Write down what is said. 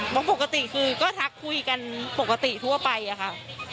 เพราะปกติคือก็ทักคุยกันปกติทั่วไปอะค่ะ